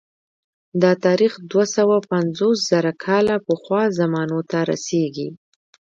دا تاریخ دوه سوه پنځوس زره کاله پخوا زمانو ته رسېږي